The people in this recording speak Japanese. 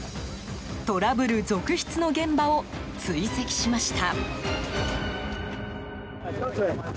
トラブル続出の現場を追跡しました。